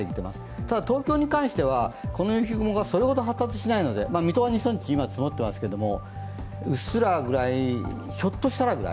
ただ、東京に関しては、この雪雲はそれほど発達しないので水戸は２ｃｍ積もっていますけどうっすらぐらい、ひょっとしたらぐらい。